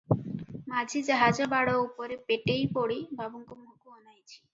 ମାଝି ଜାହାଜ ବାଡ଼ ଉପରେ ପେଟେଇ ପଡ଼ି ବାବୁଙ୍କ ମୁହଁକୁ ଅନାଇଛି ।